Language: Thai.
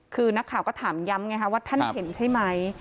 คือนักข่าวก็ถามย้ำไงว่าท่านเห็นใช่ไหม